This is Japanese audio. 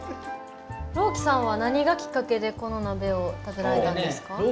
朗希さんは何がきっかけでこの鍋を食べられたんですか？